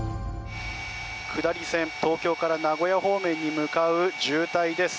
下り線、東京から名古屋方面に向かう渋滞です。